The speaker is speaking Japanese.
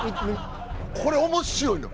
これ面白いの！